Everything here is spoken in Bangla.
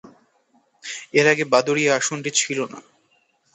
এর আগে বাদুড়িয়া আসনটি ছিল না।